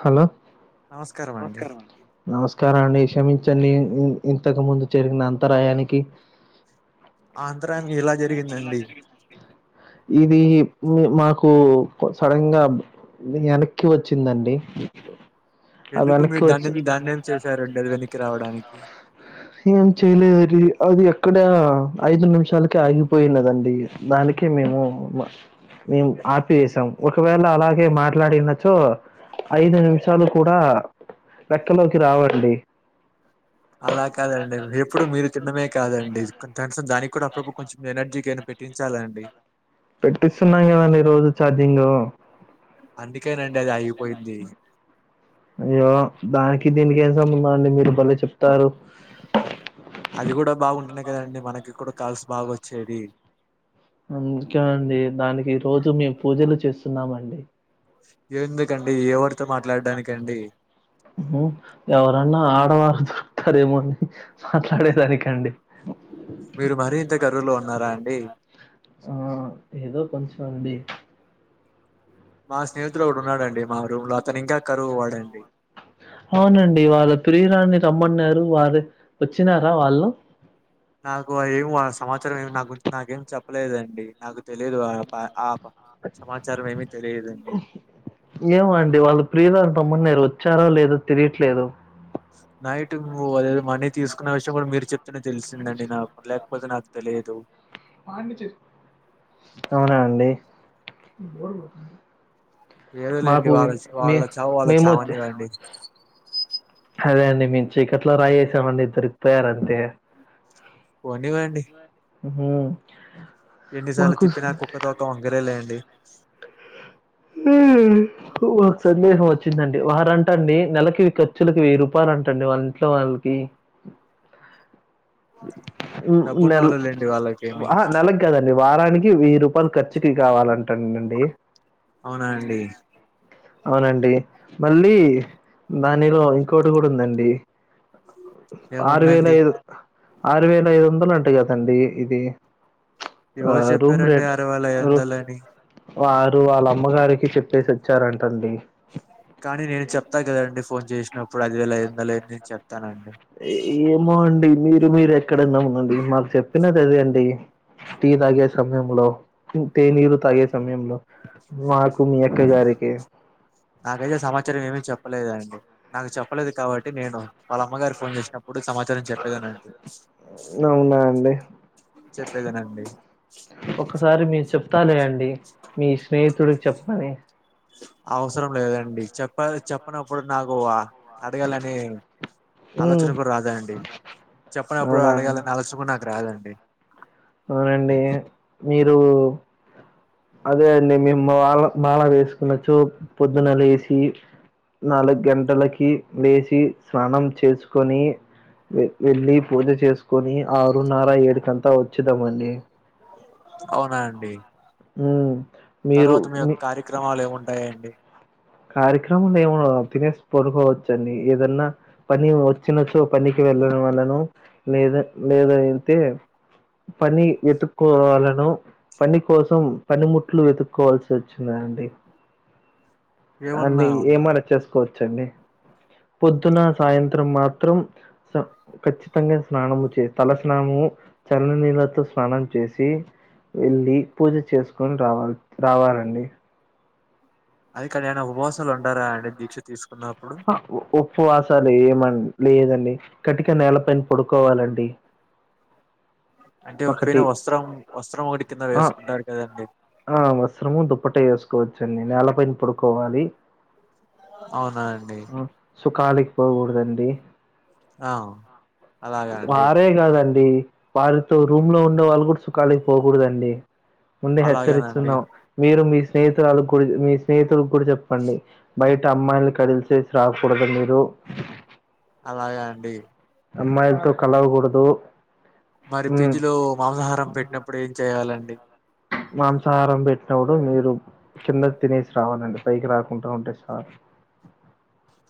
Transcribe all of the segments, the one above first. Hello నమస్కారం అండి నమస్కారమండి నమస్కారం అండి క్షమించండి ఇ ఇ ఇంతకు ముందు జరిగిన అంతరాయానికి ఆంతరాయం ఎలా ఈది మి మాకు సడన్గా బ్ దినీ ఎనక్కి వచ్చిందండి ఆ ఎందుకు వెనక్కి మీరు వచ్చి ధాన్యం ధాన్యం చేశారండి అది వెనక్కి రావడానికి ఏం చేయలేదది అది అక్కడ ఐదు నిమిషాలకె ఆగి పోయినదండి దానికే మేము మా మేం ఆపేసాం ఒకవేళ అలాగే మాట్లాడినచో ఐదు నిమిషాలు కూడా లెక్కలోకి రావండి అలా కాదండి ఎప్పుడు మీరు తిండమే కాదండి కొంచె ఎస్రా దానిక్ కూడా ప్రభు కొంచెం ఎనర్జీకైయనా పెట్టించాలండి పెట్టిస్తున్నాం గదండీ ఈ రోజు ఛార్జింగూ అందుకేనండి అది ఆగిపోయింది అయ్యో దానికి దీనికి ఏం సంబంధం అండి మీరు బలే చెప్తారు అది గూడా బాగుంటెనే కదండి మనకి క్కూడ కాల్స్ బాగా వచ్చేది అందుకే అండి దానికి రోజు మేమ్ పూజలు చేస్తున్నామండి ఎందుకండి ఎవరితో మాట్లాడ్డానికండి ఆమ్మో ఎవరన్నా ఆడవాళ్ళు దొరుకుతారేమో అని మాట్లాడేదానికండి. మీరు మరి ఇంత కరువులో ఉన్నార అండి. ఆ ఏదో కొంచెం అండి. మా స్నేహితులో ఒకడు ఉన్నాడండి. మా రూమ్ లో అతను ఇంకా కరువు వాడండి. అవునండి వాళ్ళ ప్రియురాలిని రమ్మన్నారు వారు వచ్చినారా వాళ్ళు. నాకు ఏమ్ సమాచారం ఏమి నాకు నాకేం చెప్పలేదండి నాకు తెలీయదు. సమాచారం ఏమి తెలియదండి. ఏమోఅండి వాళ్ళ ప్రియురాలుని రమ్మన్నారు వచ్చారో లేదో తిలియట్లేదు. నైట్ అది ఏదో మనీ తీసుకున్న విషయం కూడా మీరు చెప్తేనే తెలిసిందండి. నాకు లేకపోతే నాకు తెలియదు. అవునా అండి. ఏదోలేండి మాకు వాళ్ళ ఇ- చా మే వాళ్ళ చావు వాళ్లు మేము చావనివ్వండి. అదే అండి నేను చికట్లో రాయి ఏసానండి దొరికిపోయారు అండి. పోనివ్వండి. హు హు ఎన్నిసార్లు చెప్పినా కుక్కతోక వంకరేలెండి. ఉ ఒక సందేహం వచ్చిందండి వారంట అండి నెలకి ఇక. ఖర్చులకి వెయ్యి రూపాయలు అంటండి వాళ్ళ ఇంట్లో వాళ్ళకి. నెల్ డబ్బున్నోళ్ళు లేండి వాళ్ళకేమి ఆహా నెలకి. కాదండి వారానికి వెయ్యి రూపాయలు ఖర్చుకి కావాలంట అండి. అవునా అండి. అవునండి మళ్ళీ దానిలో, ఇంకోటి కూడా ఉందండి. ఆరువేల ఏముందండి ఐదు. ఆరు వేల ఐదు వందలు అంటా కదండి ఇది. ఆ ఎవరు రూమ్ చెప్పారండి రేట్ అరువేల ఐదువందలని. వారు వాళ్ళ అమ్మగారికి చెప్పేసి వచ్చారంట అండి. కానీ నేను చెప్తా కదండి ఫోన్ చేసినప్పుడు. ఐదువేల ఐదు వందలని నేను చెప్తానండి. ఏమో అండి మీరు మీరు ఎక్కడన్నా ఉండండి మాకు చెప్పినది అదే అండి. టీ తాగే సమయంలో తేనీరు తాగే సమయంలో. మాకు మీ అక్క గారికి. నాకైతే సమాచారం ఏమి చెప్పలేదండి. నాకు చెప్పలేదు కాబట్టి నేను వాళ్ళ అమ్మగారి ఫోన్ చేసిన. ఎప్పుడు సమాచారం చెప్పేదే నండి అవునా అండి చెప్పేదే నండి. ఒకసారి మీరు చెప్తాలే అండి మీ స్నేహితుడికి చెప్పమని. అవసరం లేదండి చెప్ప చెప్పినప్పుడు నాకు అడగాలని. ఉమ్ ఆలోచన కూడా రాదా అండి. చెప్పనప్పుడు అవునా అండి అడగాలని ఆలోచన, కూడా నాకు రాదండి. అవునండి మీరు. అదే అండి మేము మాల మాల వేసుకు కొన్నచో పొద్దున్న లేసి. నాలుగు గంటలకి లేసి, స్నానం చేసుకొని. వెళ్ళి పూజ చేసుకొని ఆరున్నర ఏడు కంతా వచ్చేదమండి. అవునా అండి. మ్మ్ తర్వాత మీ యొక్క కార్యక్రమాలు ఏముంటాయండి. కార్యక్రమాలు ఏము తినేసి పడుకోవచ్చు. అండి ఏదన్నా. పని వచ్చినచ్చో పనికి వెళ్లిన వాళ్లను. లేదా లేద అయితే. పని ఎతుకోవాలను. పని కోసం పనిముట్లు వెతుక్కోవాల్సి వచ్చినా అండి. అన్ని ఏమన్నా ఏమైన చేసుకోవచ్చండి. పొద్దున, సాయంత్రం మాత్రం. ఖచ్చితంగా స్నానము చే తల స్నానము చల్ల నీళ్ళతో స్నానం చేసి వెళ్లి పూజ చేసుకొని రావాలి రావాలండి అది [unintelligible] ఉపవాసలు ఉండారా అండి దీక్ష తీసుకున్నప్పుడు ఉప్పువాసాలు ఏమ్ లేదండి కట్టిక నేల పైన పడుకోవాలండి అంటే ఓపైన ఒకటి. వస్త్రం వస్త్రం ఒకటి కింద ఆ! వేసుకుంటారు కదండి ఆ వస్త్రము దుప్పట వేసుకోవచ్చండి నేల పైన పడుకోవాలి అవునా అండి సుఖాలికి పోకూడదండి ఆ అలాగా అండి వారే కాదండి వారితో రూమ్ లో ఉండే వాళ్ళు కూడా సుఖాలేకి పోకూడదండి ముందే అలాగేనండి హెచ్చరిస్తున్నాం మీరు మీ స్నేహితురాల కూడా మీ స్నేహితులకి కూడా చెప్పండి బయట అమ్మాయిల్ని కదిలిసేసి రాకకూడదు మీరు అలాగ అండి అమ్మాయిల్తో కలవకుడదు మరి ఫిడ్జ్ లో మాంసాహారం పెట్టినప్పుడు ఏం చెయాలండి మాంసాహారం పెట్టినోడు మీరు కింద తినేసి రావాలండి పైకి రాకుండా ఉంటే చాలు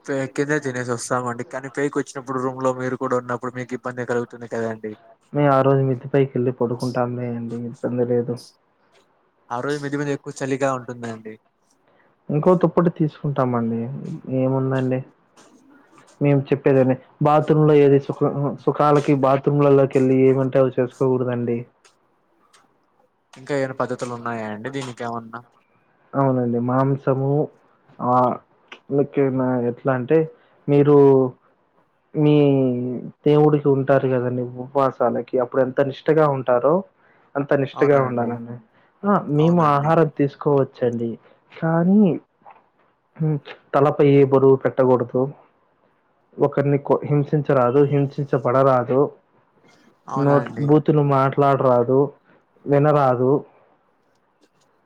అంటే కిందే తినేసి వస్తామ్ అండి కానీ పైకి వచ్చినప్పుడు రూమ్ లో మీరు కూడా ఉన్నప్పుడు మీకు ఇబ్బంది కలుగుతుంది కదండి మేము ఆ రోజు మిద్ధిపైకి వెళ్ళి పడుకుంటా లేండి ఇబ్బంది లేదు ఆ రోజు మీద్ది మీద ఎక్కువ చలిగా ఉంటుందండి ఇంకో తుప్పటి తీసుకుంటామండి ఏముందండి మేము చెప్పేదాని బాత్రూమ్ లో ఏది సుఖ సుఖాలకి బాత్రూమ్లలోకి వెళ్ళి ఏమంటే చేస్ చేయ్ కూడదండి ఇంకా ఏమన పధతులు ఉన్నాయా అండి దీనీకేమన్నా అవునండి మాంసము ఆ [unintelligible] ఎట్లా అంటే మీరు మీ దేవుడికి ఉంటారు కదండీ ఉపవాసాలకి అప్పుడు ఎంత నిష్టగా ఉంటారో అంత నిష్టగా అవునా అండి ఉండాలండి మేము అవునా అండి ఆహార తీసుకోవచ్చండి కానీ తలపై ఏ బరువు పెట్టగూడదు ఒకరిని కో హింసించరాదు హింసించబడరాదు అవునా నోట్ అండి బూతులు మాట్లాడరాదు వినరాదు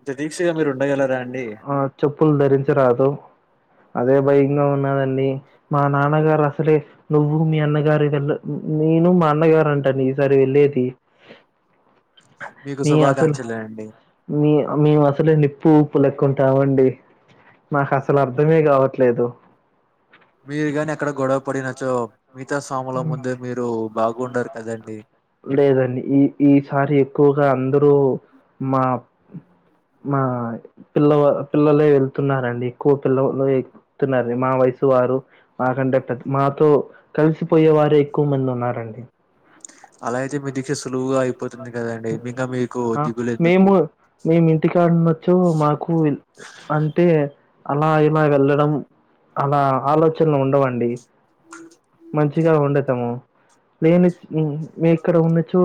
ఇంత దీక్షగా మీరు ఉండగలరా అండి ఆ చెప్పులు ధరించరాదు అదే భయంగా ఉన్నదండి మా నాన్నగారు అసలే నువ్వు మీ అన్నగారి వెళ్ళ నేను మా అన్నగారు అంటానా ఈసారి వెళ్ళేది మీకు మీ అసలు శుభాకాంక్షలే అండి మీ మేము అసలే నిప్పు ఉప్పు లెక ఉంటామండి మాకు అసలు అర్ధమే కావట్లేదు మీరు గానీ అక్కడ గొడవ పడినచ్చో మిగతా స్వాముల ముందే మీరు బాగుండరు కదండి లేదండి ఈ ఈసారి ఎక్కువగా అందరూ మా మా పిల్ల పిల్లలే వెళ్తున్నారండి ఎక్కువ పిల్లలు చెప్తున్నారు మా వయసు వారు మాకంటే మాతో కలిసిపోయే వారే ఎక్కువ మంది ఉన్నారండి అలా అయితే మీ దిక్ష సులువుగా అయిపోతుంది కదండి ఇంకా మీకు ఆ! దిగులు ఎందుకు మేము, మేము ఇంటికాడనొచ్చో మాకు అంటే అలా ఇలా వెళ్ళడం అలా ఆలోచనలు ఉండవండి ఊ మంచిగా ఉండతాము నేను మీ ఇక్కడ ఉన్నచో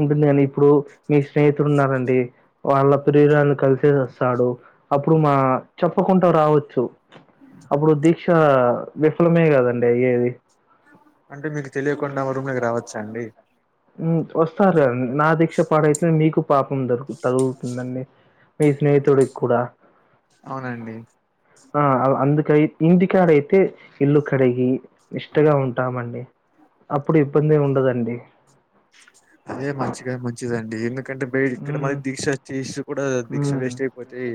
ఉంటుంది కానీ ఇప్పుడు మీ స్నేహితుడు ఉన్నారండి వాళ్ళ ప్రియురాని కలిసే వస్తాడు అప్పుడు మా చెప్పకుండా రావచ్చు అప్పుడు దీక్ష విఫలమే కదండి అయ్యేది అంటే మీకు తెలియకుండా ఎవరూ మీకు రావచ్చా అండి ఉ వస్తారు నా దీక్ష పాడైతే మీకు పాపం ద తగులుతుందండి మీ స్నేహితుడికి కూడా అవునండి ఆ అవు అందుకయ్ ఇంటికాడ అయితే ఇల్లు కడిగి నిష్టగా ఉంటామండి అప్పుడు ఇబ్బంది ఏమి ఉండదండి అదే మంచిగా మంచిదండి ఎందుక్ కంటే బె ఓకే. ఇక్కడ హ్మ్. మాది దీక్ష చేసి కూడా దీక్ష హ్మ్. వేస్ట్ అయిపోతాయి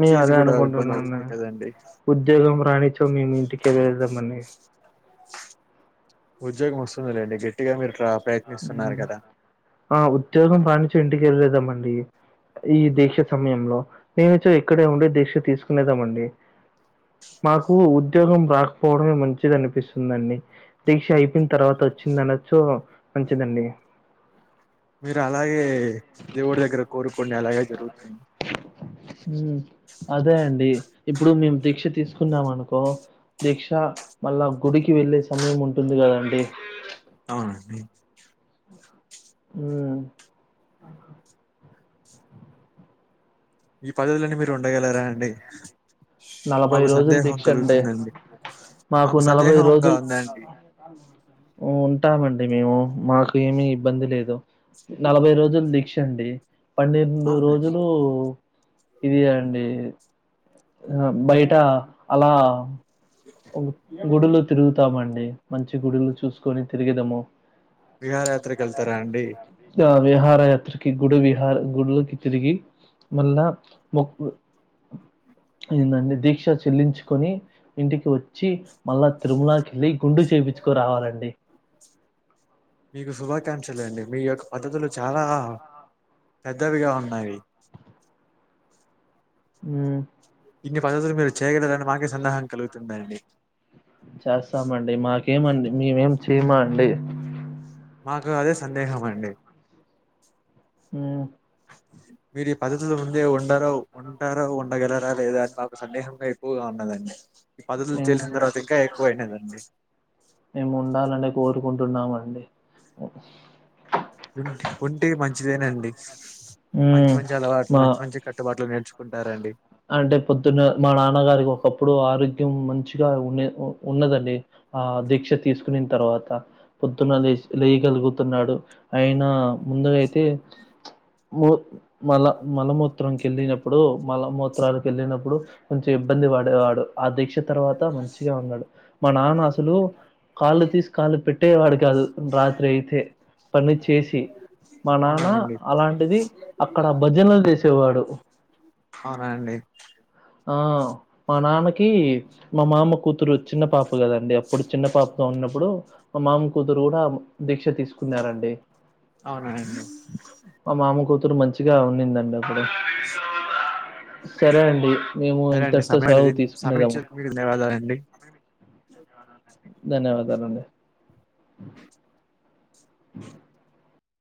మేము చేసి అదే కూడా ఇబ్బంది అనుకుంటున్నాను. అవుతుంది కదండి ఉద్యోగం రాణిచో మేము ఇంటికే వెళ్దాంమని ఉద్యోగం వస్తుందలేండి గట్టిగా మీరు ట్రాప్ ఊ ఆ ఉద్యోగం రానిచో ఇంటి కెలేదామడి ఈ దీక్ష సమయంలో నేనిచ్చో ఇక్కడే ఉండే దీక్ష తీసుకునేదామండి మాకు ఉద్యోగం రాకపోవడమే మంచిది అనిపిస్తుందండి దీక్ష అయిపోయిన తర్వాత వచ్చింది అనొచ్చు మంచిదండి మీరు అలాగే దేవుడి దగ్గర కోరుకోండి అలాగే జరుగుతుంది ఆ అదే అండి ఇప్పుడు మేము దీక్ష తీసుకు కున్నాం అనుకో దీక్ష మళ్ళా గుడికి వెళ్ళే సమయం ఉంటుంది కదండి అవునండి ఊ ఈ పదవులన్నీ మీరు ఉండగలరా అండి నలభై మాకు రోజులు సందేహం దీక్ష అండి కలుగుతుందండి మాకు సందేహంగా ఉందండి ఊ ఉంటామండి మేము మాకు ఏమి ఇబ్బంది లేదు నలభై రోజులు దీక్ష అండి పన్నెండు అవునండి రోజులు ఇది అండి ఇగ బయట అలా చె ఉ గుడులు తిరుగుతామండి మంచి గుడులు చూసుకొని తిరిగదము [unintelligible] విహారయాత్రకి వెళ్తారా అండి చెప్ప ఇగ విహార యాత్రకి గుడి విహార గుడులకి తిరిగి మళ్ళా మొక్కు ఏంటంటే దీక్ష చెల్లించుకొని ఇంటికి వచ్చి మళ్ళా తిరుమలకి వెళ్ళి గుండు చేయించుకోరావాలండి మీకు శుభాకాంక్షలు అండి మీ యొక్క పద్ధతులు చాలా పెద్దవిగా ఉన్నాయి ఊ ఇన్ని పద్ధతులు మీరు చేయగలరని మాకే సందేహం కలుగుతుందండి చేస్తామండి మాకేమండి మేమేం చేయమా అండి మాకు అదే సందేహం అండి ఊ అ మీరు ఈ పద్ధతిలో ఉందే ఉండార ఉంటారో ఉండగలరా లేదా అని మాకు సందేహంగా ఎక్కువగా ఉన్నదండి ఈ పద్ధతులు మేము తెలిసిన తర్వాత ఇంకా ఎక్కువ అయినదండి మేము ఉండాలని కోరుకుంటున్నామండి ఉంటి ఉంటే మంచిదేనండి మంచి హ్మ్ మంచి అలవాట్లు మా మంచి మంచి కట్టుబాట్లు నేర్చుకుంటారండి అంటే పొద్దున్న మా నాన్నగారికి ఒకప్పుడు ఆరోగ్యం మంచిగా ఉన్నె ఉ ఉన్నదండి ఆ దీక్ష తీసుకొనిన తర్వాత పొద్దున లే లేయగలుగుతున్నాడు అయినా ముందరైతే మూ మల మలమూత్రంకి వెళ్ళినప్పుడు మల మూ త్రానికి వెళ్ళినప్పుడు కొంచెం ఇబ్బంది పడేవాడు ఆ దీక్ష తర్వాత మంచిగా ఉన్నాడు మా నాన్న అసలు కాళ్ళు తీసి కాళ్ళు పెట్టేవాడు కాదు రాత్రి అయితే పని చేసి మా నాన్న అవునానండి అలాంటిది అక్కడ భజనలు చేసేవాడు అవున అండి ఆ మా నాన్నకి మా మామ కూత్ తురు చిన్న పాప కదండి అప్పుడు చిన్న పాపతో ఉన్నప్పుడు మా మామ కూతురు కూడా దీక్ష తీసుకున్నారండి అవునా అండి మా మామ కూతురు మంచిగా ఉన్నిందండి అప్పుడు సరే అండి మేము సరే అండి ఇంతటితో సమయం సెలవు [inaudible] సమయం తీసుకునేదాము. ఇచ్చినందుకు మీకు ధన్యవాదాలు అండి ధన్యవాదాలు అండి